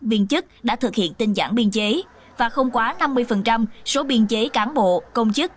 viên chức đã thực hiện tinh giản biên chế và không quá năm mươi số biên chế cán bộ công chức